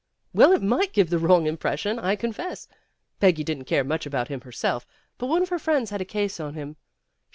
1 'Well, it might give the wrong impression, I confess. Peggy didn't care much about him herself, but one of her friends had a case on him."